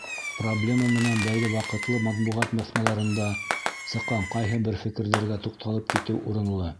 Проблема менән бәйле ваҡытлы матбуғат баҫмаларында сыҡҡан ҡайһы бер фекерҙәргә туҡталып китеү урынлы.